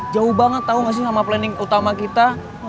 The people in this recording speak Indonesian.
jauh banget tau gak sih nama planning utama kita